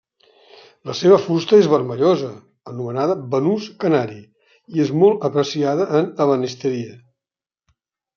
La seva fusta és vermellosa, anomenada banús canari, i és molt apreciada en ebenisteria.